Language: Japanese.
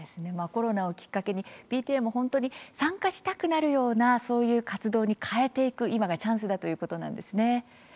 コロナをきっかけにＰＴＡも本当に参加したくなるようなそういう活動に変えていく今がチャンスだということなんですね。